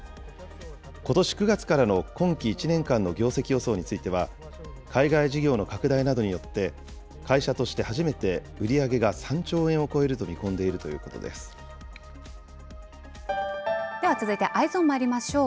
ことし９月からの今期１年間の業績予想については、海外事業の拡大などによって、会社として初めて売り上げが３兆円を超えると見込んでいるというでは続いてＥｙｅｓｏｎまいりましょう。